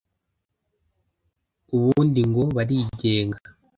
ubundi ngo barigenga